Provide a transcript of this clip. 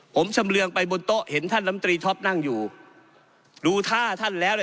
ผมชำเรืองไปบนโต๊ะเห็นท่านลำตรีท็อปนั่งอยู่ดูท่าท่านแล้ว